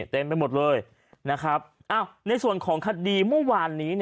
เต็มไปหมดเลยนะครับในส่วนของคดีเมื่อวานนี้